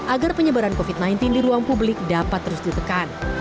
agar penyebaran covid sembilan belas di ruang publik dapat terus ditekan